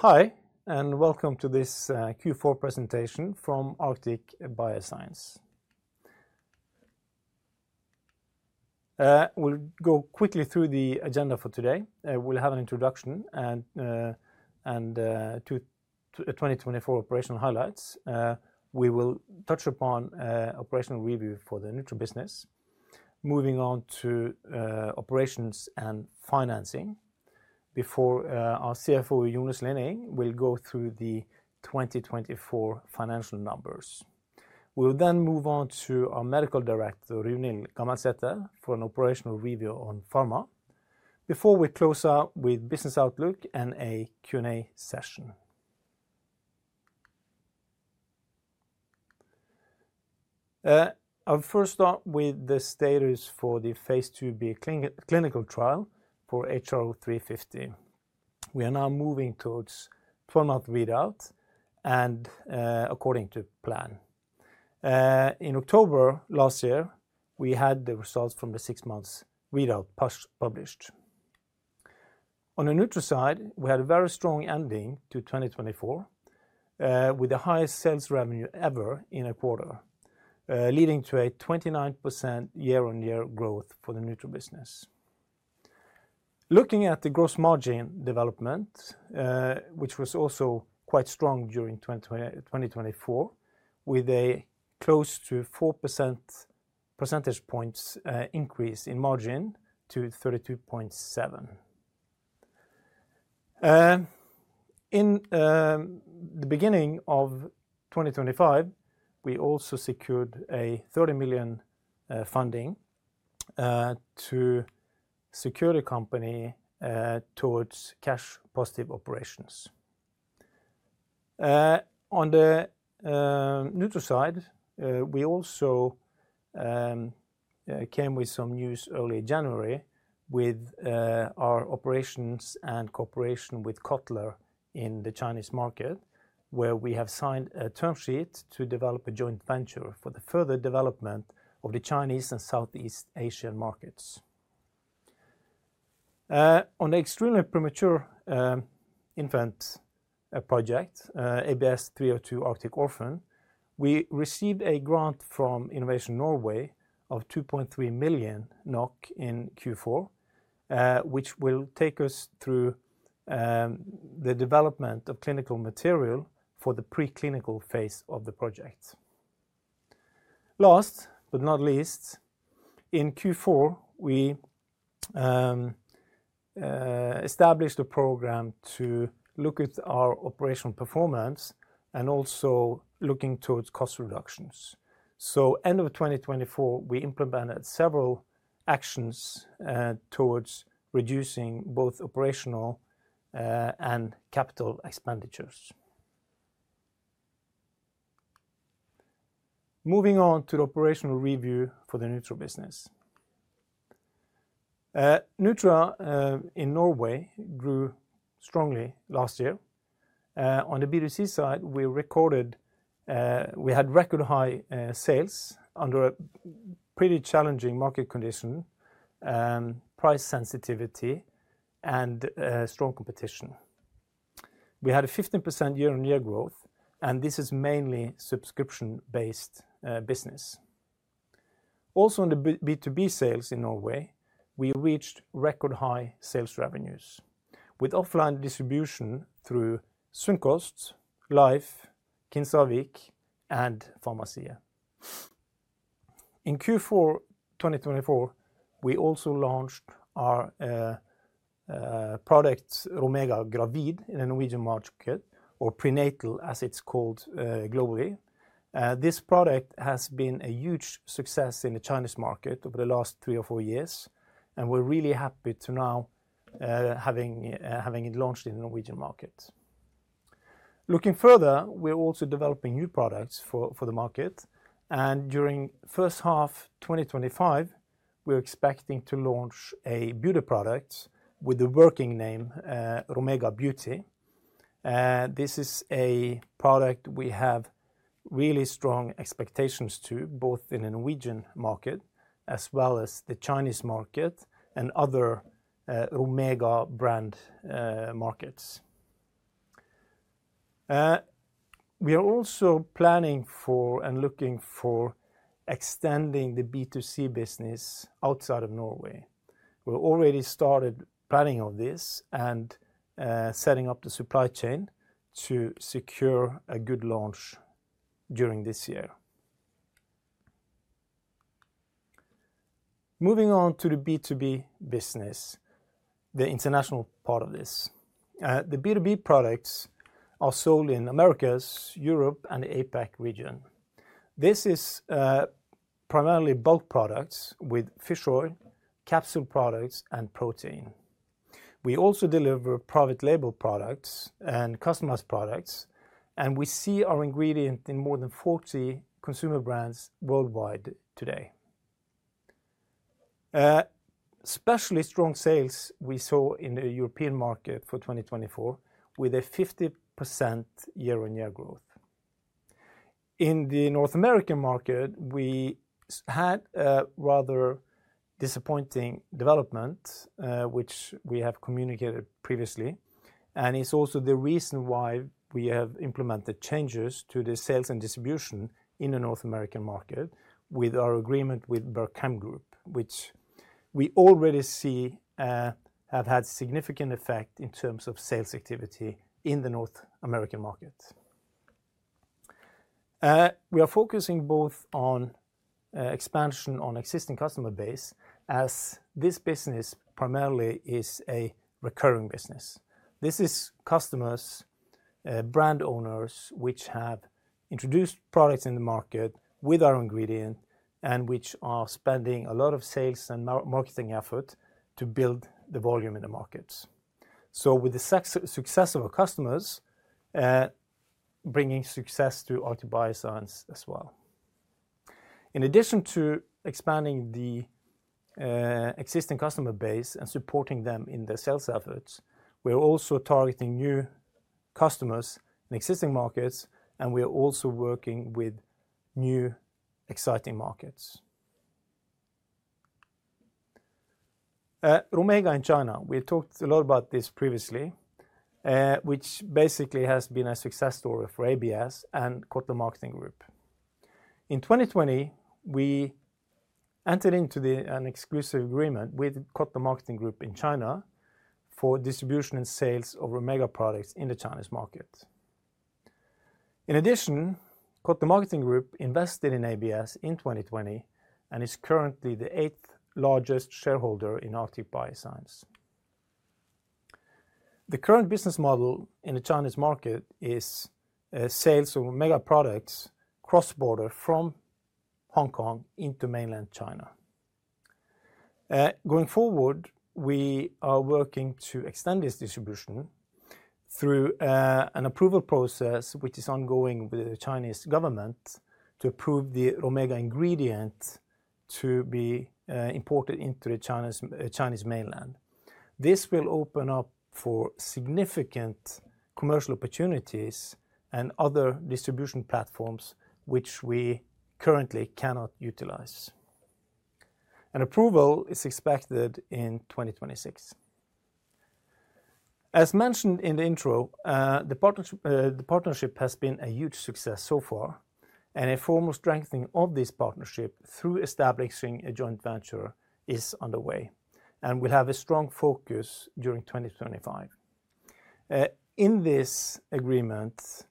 Hi, and welcome to this Q4 presentation from Arctic Bioscience. We'll go quickly through the agenda for today. We'll have an introduction and two 2024 operational highlights. We will touch upon an operational review for the nutra business, moving on to operations and financing. Before our CFO, Jone R. Slinning, will go through the 2024 financial numbers, we'll then move on to our Medical Director, Runhild Gammelsæter, for an operational review on pharma. Before we close out with business outlook and a Q&A session, I'll first start with the status for the phase 2B clinical trial for HRO350. We are now moving towards 12-month readout, according to plan. In October last year, we had the results from the six-month readout published. On the nutraceutical side, we had a very strong ending to 2024, with the highest sales revenue ever in a quarter, leading to a 29% year-on-year growth for the nutraceutical business. Looking at the gross margin development, which was also quite strong during 2024, with a close to 4 percentage points increase in margin to 32.7%. In the beginning of 2025, we also secured 30 million funding to secure the company towards cash-positive operations. On the nutraceutical side, we also came with some news early January with our operations and cooperation with Kotler Marketing Group in the Chinese market, where we have signed a term sheet to develop a joint venture for the further development of the Chinese and Southeast Asian markets. On the extremely premature infant project, ABS-302 Arctic Orphan, we received a grant from Innovation Norway of 2.3 million NOK in Q4, which will take us through the development of clinical material for the preclinical phase of the project. Last but not least, in Q4, we established a program to look at our operational performance and also looking towards cost reductions. At the end of 2024, we implemented several actions towards reducing both operational and capital expenditures. Moving on to the operational review for the nutra business. Nutra in Norway grew strongly last year. On the B2C side, we recorded we had record high sales under a pretty challenging market condition, price sensitivity, and strong competition. We had a 15% year-on-year growth, and this is mainly subscription-based business. Also, on the B2B sales in Norway, we reached record high sales revenues with offline distribution through Sunkost, Life, Kinsarvik, and Farmasiet. In Q4 2024, we also launched our product, Romega Gravid, in the Norwegian market, or Prenatal, as it's called globally. This product has been a huge success in the Chinese market over the last three or four years, and we're really happy to now have it launched in the Norwegian market. Looking further, we're also developing new products for the market. During the first half of 2025, we're expecting to launch a beauty product with the working name Romega Beauty. This is a product we have really strong expectations to, both in the Norwegian market as well as the Chinese market and other Romega brand markets. We are also planning for and looking for extending the B2C business outside of Norway. We've already started planning on this and setting up the supply chain to secure a good launch during this year. Moving on to the B2B business, the international part of this. The B2B products are sold in the Americas, Europe, and the APAC region. This is primarily bulk products with fish oil, capsule products, and protein. We also deliver private label products and customized products, and we see our ingredient in more than 40 consumer brands worldwide today. Especially strong sales we saw in the European market for 2024, with a 50% year-on-year growth. In the North American market, we had a rather disappointing development, which we have communicated previously, and it is also the reason why we have implemented changes to the sales and distribution in the North American market with our agreement with Berkem Group, which we already see have had significant effect in terms of sales activity in the North American market. We are focusing both on expansion on existing customer base as this business primarily is a recurring business. This is customers, brand owners, which have introduced products in the market with our ingredient and which are spending a lot of sales and marketing effort to build the volume in the markets. With the success of our customers, bringing success to Arctic Bioscience as well. In addition to expanding the existing customer base and supporting them in their sales efforts, we're also targeting new customers in existing markets, and we are also working with new exciting markets. Romega in China, we talked a lot about this previously, which basically has been a success story for Arctic Bioscience and Kotler Marketing Group. In 2020, we entered into an exclusive agreement with Kotler Marketing Group in China for distribution and sales of Romega products in the Chinese market. In addition, Kotler Marketing Group invested in ABS in 2020 and is currently the eighth largest shareholder in Arctic Bioscience. The current business model in the Chinese market is sales of Romega products cross-border from Hong Kong into mainland China. Going forward, we are working to extend this distribution through an approval process, which is ongoing with the Chinese government to approve the Romega ingredient to be imported into the Chinese mainland. This will open up for significant commercial opportunities and other distribution platforms which we currently cannot utilize. An approval is expected in 2026. As mentioned in the intro, the partnership has been a huge success so far, and a formal strengthening of this partnership through establishing a joint venture is underway, and we'll have a strong focus during 2025. In this agreement,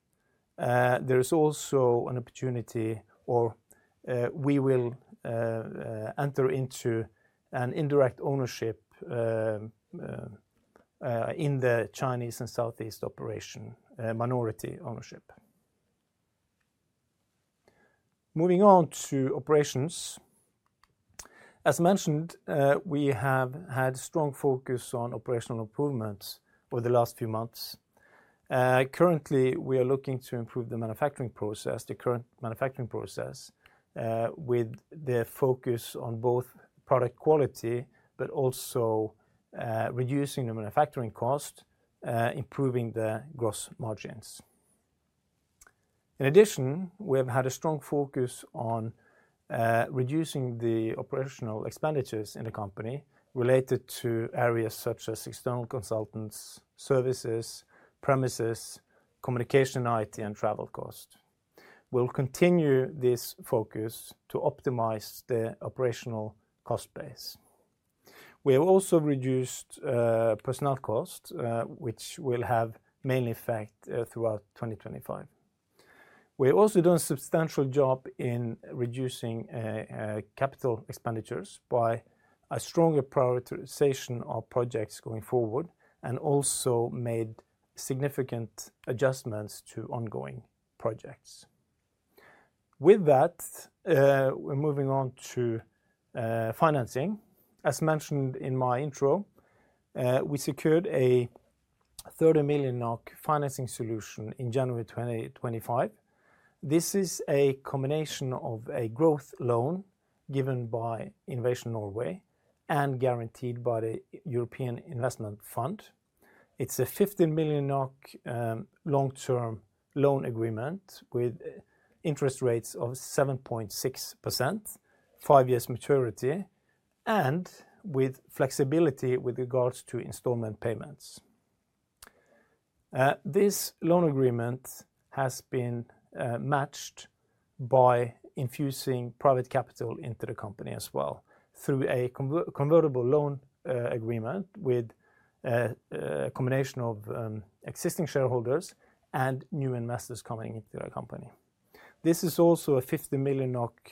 there is also an opportunity or we will enter into an indirect ownership in the Chinese and Southeast operation, minority ownership. Moving on to operations. As mentioned, we have had strong focus on operational improvements over the last few months. Currently, we are looking to improve the manufacturing process, the current manufacturing process, with the focus on both product quality, but also reducing the manufacturing cost, improving the gross margins. In addition, we have had a strong focus on reducing the operational expenditures in the company related to areas such as external consultants, services, premises, communication, IT, and travel cost. We'll continue this focus to optimize the operational cost base. We have also reduced personnel cost, which will have mainly effect throughout 2025. We also done a substantial job in reducing capital expenditures by a stronger prioritization of projects going forward and also made significant adjustments to ongoing projects. With that, we're moving on to financing. As mentioned in my intro, we secured a 30 million NOK financing solution in January 2025. This is a combination of a growth loan given by Innovation Norway and guaranteed by the European Investment Fund. It's a 15 million long-term loan agreement with interest rates of 7.6%, five years maturity, and with flexibility with regards to installment payments. This loan agreement has been matched by infusing private capital into the company as well through a convertible loan agreement with a combination of existing shareholders and new investors coming into the company. This is also a 50 million NOK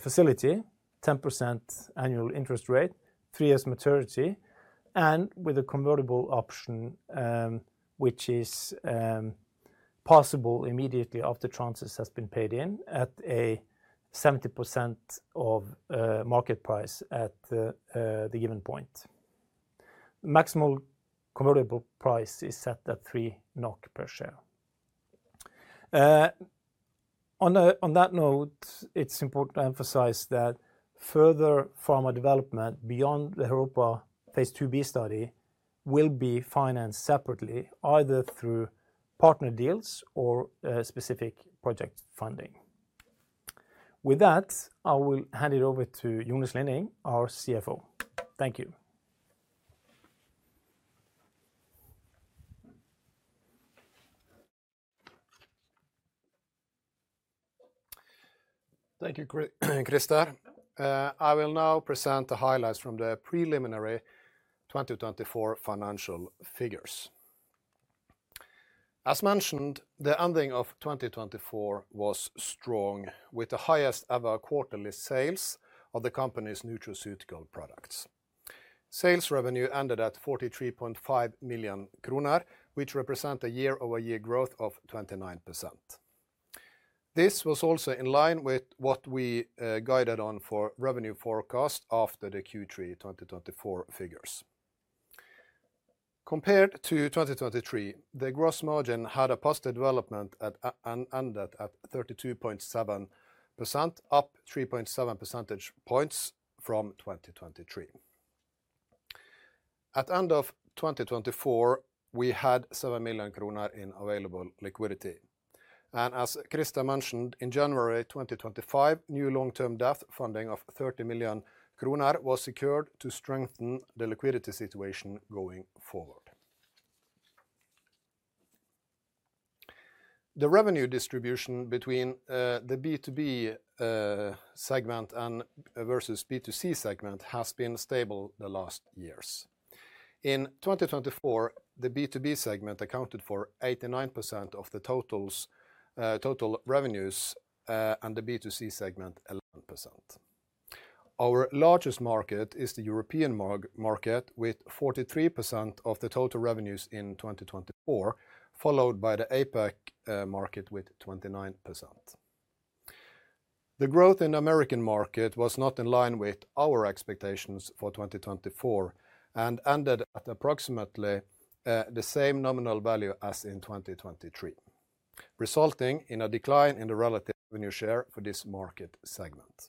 facility, 10% annual interest rate, three years maturity, and with a convertible option, which is possible immediately after transfers have been paid in at 70% of market price at the given point. Maximal convertible price is set at 3 NOK per share. On that note, it is important to emphasize that further pharma development beyond the HeROPA phase 2B study will be financed separately, either through partner deals or specific project funding. With that, I will hand it over to Jone R. Slinning, our CFO. Thank you. Thank you, Christer. I will now present the highlights from the preliminary 2024 financial figures. As mentioned, the ending of 2024 was strong, with the highest ever quarterly sales of the company's nutraceutical products. Sales revenue ended at 43.5 million kroner, which represents a year-over-year growth of 29%. This was also in line with what we guided on for revenue forecast after the Q3 2024 figures. Compared to 2023, the gross margin had a positive development and ended at 32.7%, up 3.7 percentage points from 2023. At the end of 2024, we had 7 million kroner in available liquidity. As Christer mentioned, in January 2025, new long-term debt funding of 30 million kroner was secured to strengthen the liquidity situation going forward. The revenue distribution between the B2B segment versus B2C segment has been stable the last years. In 2024, the B2B segment accounted for 89% of the total revenues and the B2C segment 11%. Our largest market is the European market, with 43% of the total revenues in 2024, followed by the APAC market with 29%. The growth in the American market was not in line with our expectations for 2024 and ended at approximately the same nominal value as in 2023, resulting in a decline in the relative revenue share for this market segment.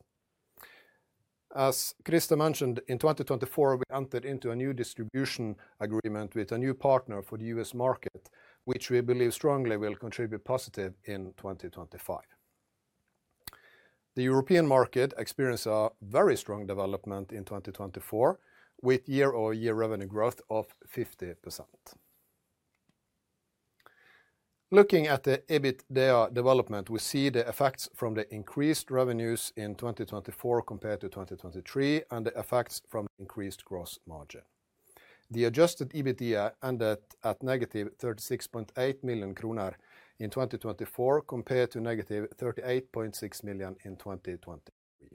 As Christer mentioned, in 2024, we entered into a new distribution agreement with a new partner for the US market, which we believe strongly will contribute positively in 2025. The European market experienced a very strong development in 2024, with year-over-year revenue growth of 50%. Looking at the EBITDA development, we see the effects from the increased revenues in 2024 compared to 2023 and the effects from the increased gross margin. The adjusted EBITDA ended at -36.8 million kroner in 2024 compared to -38.6 million in 2023.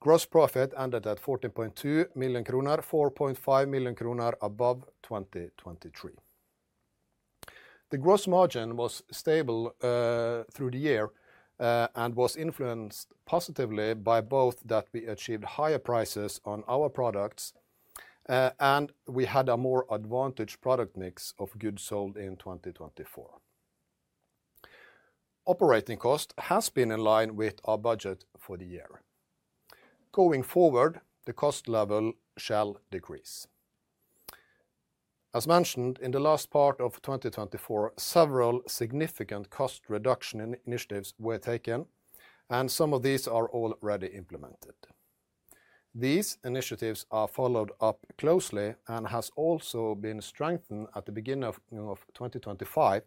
Gross profit ended at 14.2 million kroner, 4.5 million kroner above 2023. The gross margin was stable through the year and was influenced positively by both that we achieved higher prices on our products and we had a more advantaged product mix of goods sold in 2024. Operating cost has been in line with our budget for the year. Going forward, the cost level shall decrease. As mentioned in the last part of 2024, several significant cost reduction initiatives were taken, and some of these are already implemented. These initiatives are followed up closely and have also been strengthened at the beginning of 2025,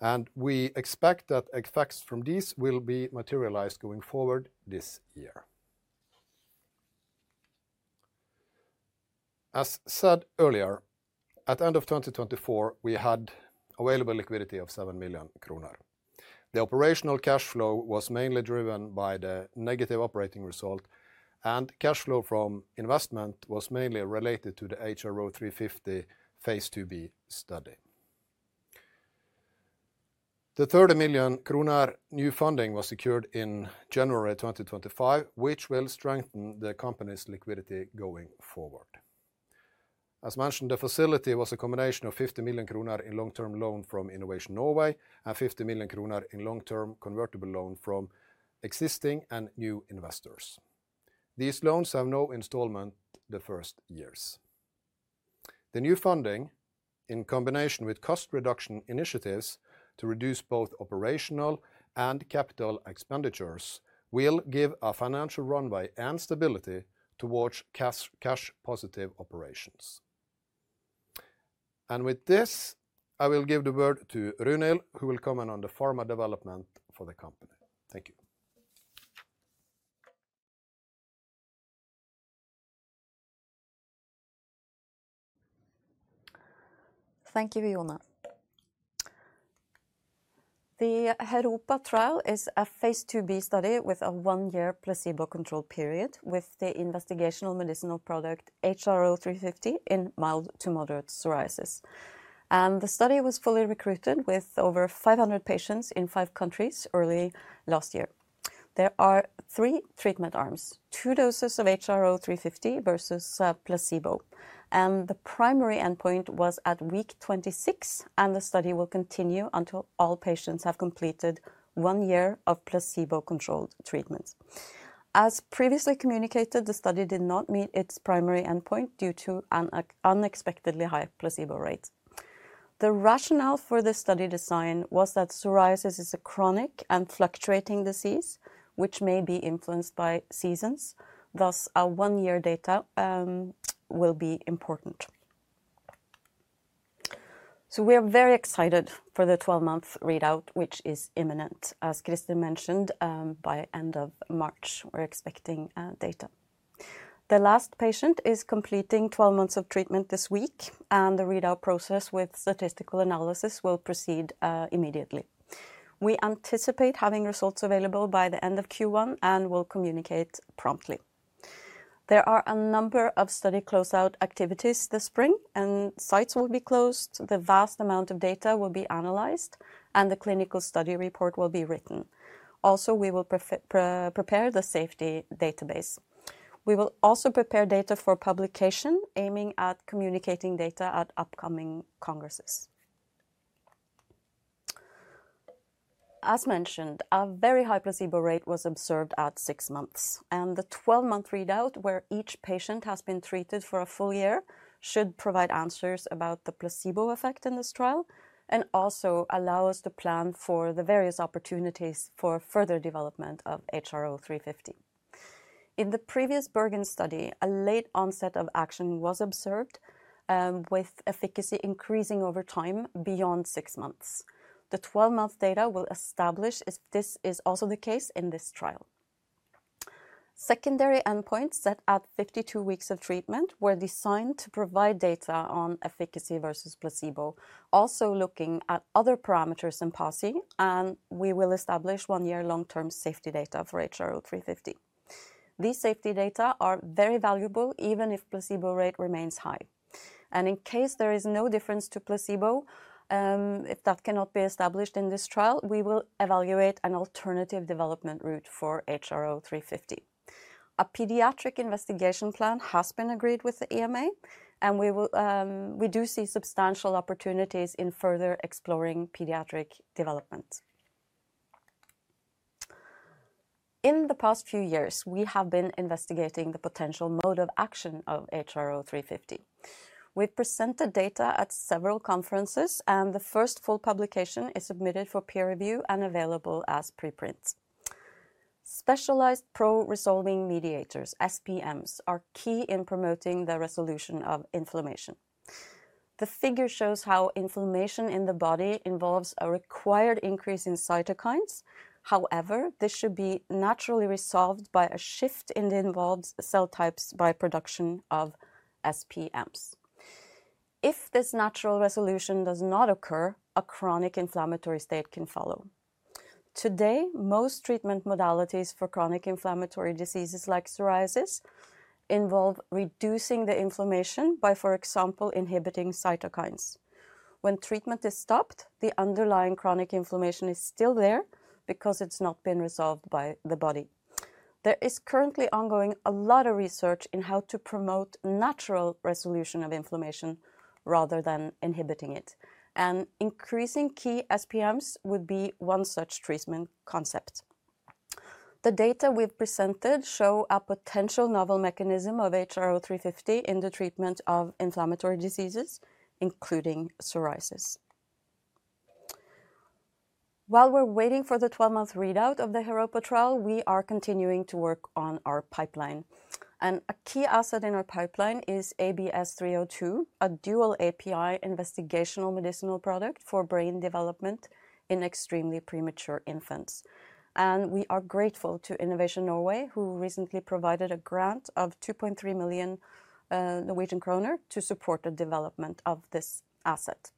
and we expect that effects from these will be materialized going forward this year. As said earlier, at the end of 2024, we had available liquidity of 7 million kroner. The operational cash flow was mainly driven by the negative operating result, and cash flow from investment was mainly related to the HRO350 phase 2B study. The 30 million kroner new funding was secured in January 2025, which will strengthen the company's liquidity going forward. As mentioned, the facility was a combination of 50 million kroner in long-term loan from Innovation Norway and 50 million kroner in long-term convertible loan from existing and new investors. These loans have no installment the first years. The new funding, in combination with cost reduction initiatives to reduce both operational and capital expenditures, will give a financial runway and stability towards cash-positive operations. I will give the word to Runhild Gammelsæter, who will comment on the pharma development for the company. Thank you. Thank you, Jone. The HeROPA trial is a phase 2B study with a one-year placebo-controlled period with the investigational medicinal product HRO350 in mild to moderate psoriasis. The study was fully recruited with over 500 patients in five countries early last year. There are three treatment arms: two doses of HRO350 versus placebo. The primary endpoint was at week 26, and the study will continue until all patients have completed one year of placebo-controlled treatment. As previously communicated, the study did not meet its primary endpoint due to an unexpectedly high placebo rate. The rationale for the study design was that psoriasis is a chronic and fluctuating disease, which may be influenced by seasons. Thus, our one-year data will be important. We are very excited for the 12-month readout, which is imminent. As Christer mentioned, by the end of March, we're expecting data. The last patient is completing 12 months of treatment this week, and the readout process with statistical analysis will proceed immediately. We anticipate having results available by the end of Q1 and will communicate promptly. There are a number of study closeout activities this spring, and sites will be closed. The vast amount of data will be analyzed, and the clinical study report will be written. Also, we will prepare the safety database. We will also prepare data for publication, aiming at communicating data at upcoming congresses. As mentioned, a very high placebo rate was observed at six months, and the 12-month readout, where each patient has been treated for a full year, should provide answers about the placebo effect in this trial and also allow us to plan for the various opportunities for further development of HRO350. In the previous Bergen study, a late onset of action was observed, with efficacy increasing over time beyond six months. The 12-month data will establish if this is also the case in this trial. Secondary endpoints set at 52 weeks of treatment were designed to provide data on efficacy versus placebo, also looking at other parameters in passing, and we will establish one-year long-term safety data for HRO350. These safety data are very valuable, even if placebo rate remains high. In case there is no difference to placebo, if that cannot be established in this trial, we will evaluate an alternative development route for HRO350. A pediatric investigation plan has been agreed with the EMA, and we do see substantial opportunities in further exploring pediatric development. In the past few years, we have been investigating the potential mode of action of HRO350. We've presented data at several conferences, and the first full publication is submitted for peer review and available as preprints. Specialized pro-resolving mediators, SPMs, are key in promoting the resolution of inflammation. The figure shows how inflammation in the body involves a required increase in cytokines. However, this should be naturally resolved by a shift in the involved cell types by production of SPMs. If this natural resolution does not occur, a chronic inflammatory state can follow. Today, most treatment modalities for chronic inflammatory diseases like psoriasis involve reducing the inflammation by, for example, inhibiting cytokines. When treatment is stopped, the underlying chronic inflammation is still there because it's not been resolved by the body. There is currently ongoing a lot of research in how to promote natural resolution of inflammation rather than inhibiting it. Increasing key SPMs would be one such treatment concept. The data we've presented show a potential novel mechanism of HRO350 in the treatment of inflammatory diseases, including psoriasis. While we're waiting for the 12-month readout of the HeROPA trial, we are continuing to work on our pipeline. A key asset in our pipeline is ABS-302, a dual API investigational medicinal product for brain development in extremely premature infants. We are grateful to Innovation Norway, who recently provided a grant of 2.3 million Norwegian kroner to support the development of this asset.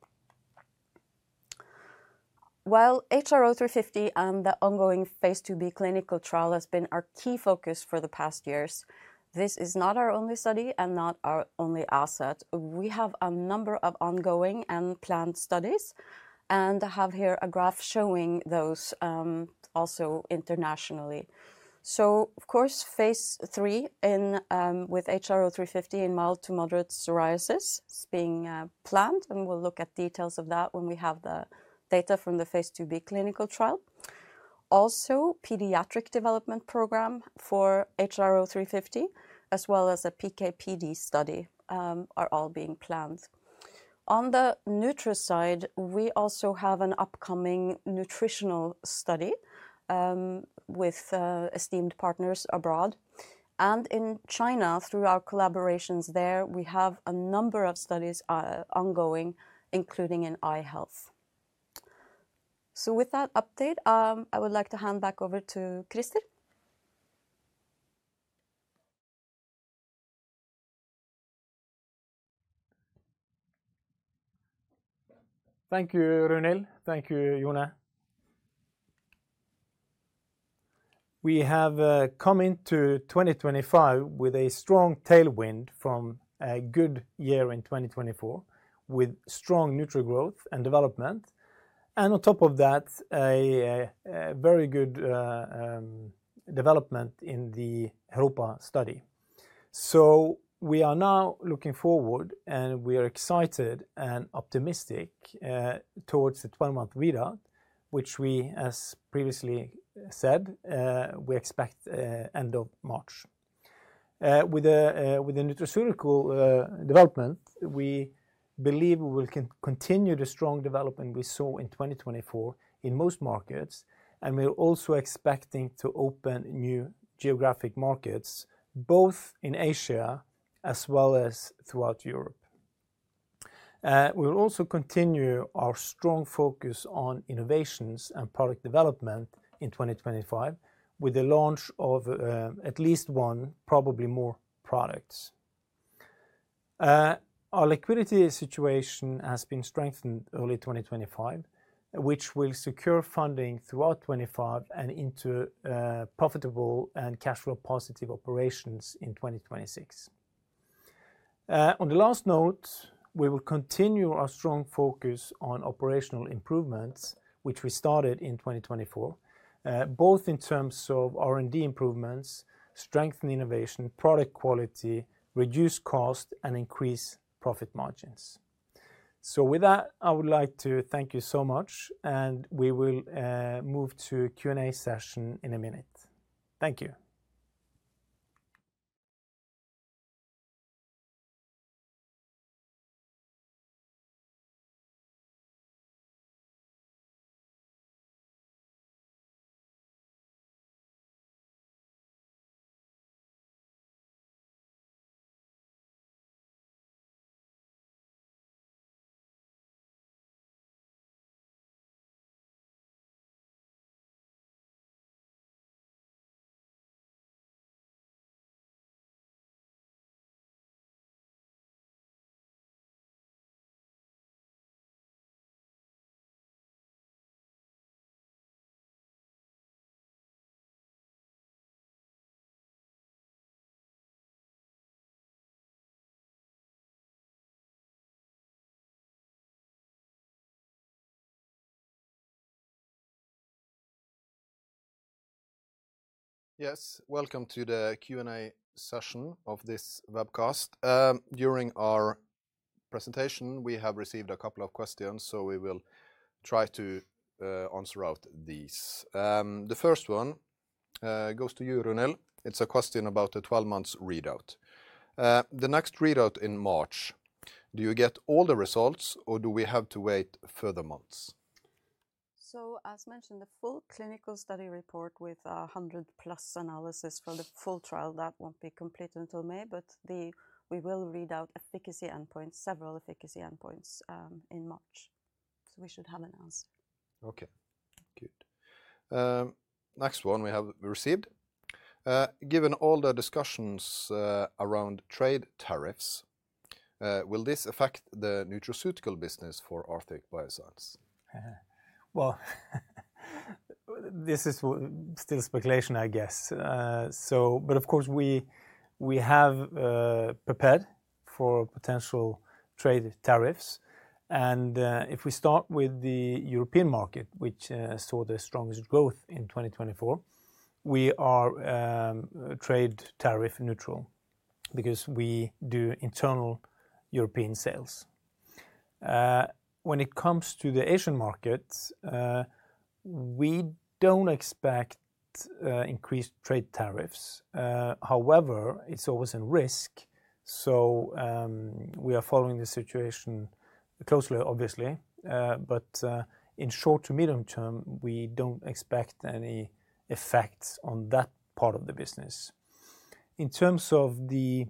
While HRO350 and the ongoing phase 2B clinical trial has been our key focus for the past years, this is not our only study and not our only asset. We have a number of ongoing and planned studies, and I have here a graph showing those also internationally. Of course, phase 3 with HRO350 in mild to moderate psoriasis is being planned, and we'll look at details of that when we have the data from the phase 2B clinical trial. Also, the pediatric development program for HRO350, as well as a PKPD study, are all being planned. On the nutra side, we also have an upcoming nutritional study with esteemed partners abroad. In China, through our collaborations there, we have a number of studies ongoing, including in eye health. With that update, I would like to hand back over to Christer. Thank you, Runhild. Thank you, Jone. We have come into 2025 with a strong tailwind from a good year in 2024, with strong nutra growth and development. On top of that, a very good development in the HeROPA study. We are now looking forward, and we are excited and optimistic towards the 12-month readout, which we, as previously said, we expect end of March. With the nutraceutical development, we believe we will continue the strong development we saw in 2024 in most markets, and we're also expecting to open new geographic markets, both in Asia as well as throughout Europe. We will also continue our strong focus on innovations and product development in 2025, with the launch of at least one, probably more, products. Our liquidity situation has been strengthened early 2025, which will secure funding throughout 2025 and into profitable and cash flow-positive operations in 2026. On the last note, we will continue our strong focus on operational improvements, which we started in 2024, both in terms of R&D improvements, strengthen innovation, product quality, reduce cost, and increase profit margins. I would like to thank you so much, and we will move to the Q&A session in a minute. Thank you. Yes, welcome to the Q&A session of this webcast. During our presentation, we have received a couple of questions, so we will try to answer out these. The first one goes to you, Runhild. It's a question about the 12-month readout. The next readout in March, do you get all the results, or do we have to wait further months? As mentioned, the full clinical study report with 100-plus analyses for the full trial, that won't be complete until May, but we will read out several efficacy endpoints in March. We should have an answer. Okay, good. Next one we have received. Given all the discussions around trade tariffs, will this affect the nutraceutical business for Arctic Bioscience? This is still speculation, I guess. Of course, we have prepared for potential trade tariffs. If we start with the European market, which saw the strongest growth in 2024, we are trade tariff neutral because we do internal European sales. When it comes to the Asian market, we do not expect increased trade tariffs. However, it is always a risk, so we are following the situation closely, obviously. In short to medium term, we do not expect any effects on that part of the business. In terms of the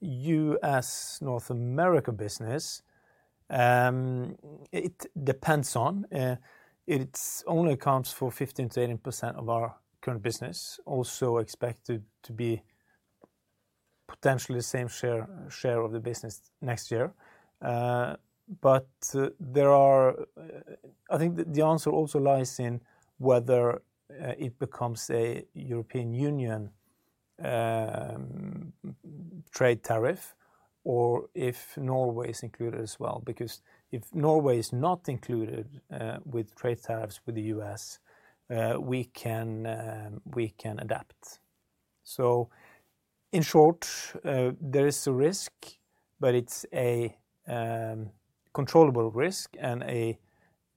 U.S. North America business, it depends. It only accounts for 15-18% of our current business, also expected to be potentially the same share of the business next year. I think the answer also lies in whether it becomes a European Union trade tariff or if Norway is included as well. If Norway is not included with trade tariffs with the U.S., we can adapt. In short, there is a risk, but it's a controllable risk and a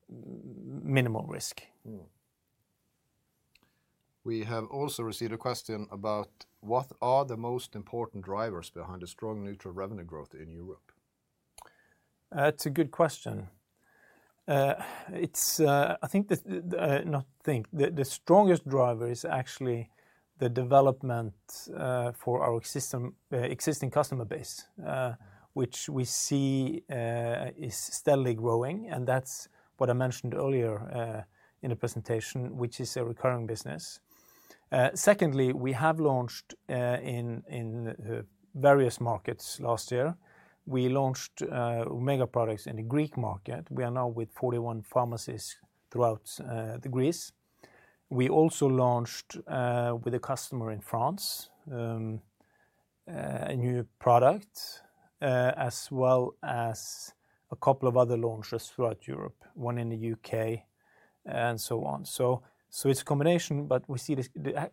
minimal risk. We have also received a question about what are the most important drivers behind the strong nutra revenue growth in Europe. That's a good question. I think the strongest driver is actually the development for our existing customer base, which we see is steadily growing. That's what I mentioned earlier in the presentation, which is a recurring business. Secondly, we have launched in various markets last year. We launched Romega products in the Greek market. We are now with 41 pharmacies throughout Greece. We also launched with a customer in France a new product, as well as a couple of other launches throughout Europe, one in the U.K. and so on. It's a combination, but we see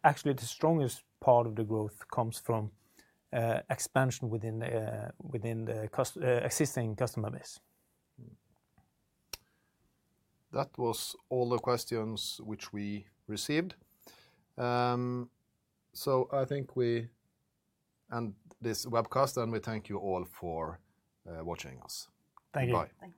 actually the strongest part of the growth comes from expansion within the existing customer base. That was all the questions which we received. I think we end this webcast, and we thank you all for watching us. Thank you. Bye.